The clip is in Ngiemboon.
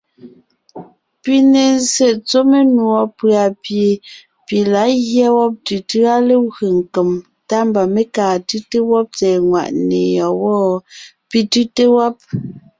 Pi ne zsé tsɔ́ menùɔ pʉ̀a pie pi lǎ gyɛ́ tʉtʉ́a legwé nkem, tá mba mé kaa tʉ́te wɔ́b tsɛ̀ɛ nwàʼne yɔ́ɔn wɔ́? pi tʉ́te wɔ́b.